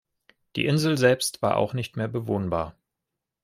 Die Insel selbst war auch nicht mehr bewohnbar.